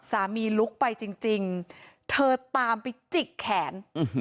สามีลุกไปจริงเธอตามจิกถึงแขน